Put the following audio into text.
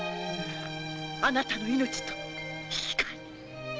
あなた様のお命と引き換えに。